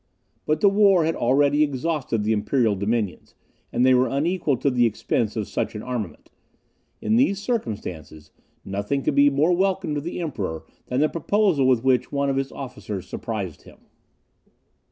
But the war had already exhausted the imperial dominions, and they were unequal to the expense of such an armament. In these circumstances, nothing could be more welcome to the Emperor than the proposal with which one of his officers surprised him.